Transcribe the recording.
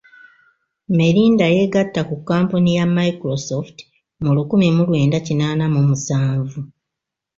Melinda yeegatta ku kkampuni ya Microsoft mu lukumi mu lwenda kinaana mu musanvu.